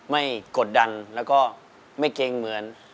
กดดันแล้วก็ไม่เกรงเหมือน